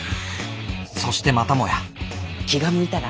そしてまたもや気が向いたら。